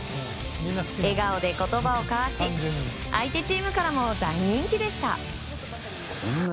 笑顔で言葉を交わし相手チームからも大人気でした。